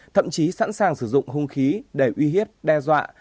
thậm chí sẵn sàng sử dụng hung khí để uy hiếp đe dọa